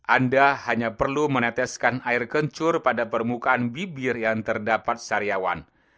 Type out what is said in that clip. anda hanya perlu meneteskan air kencur pada permukaan bibir yang terdapat sariawan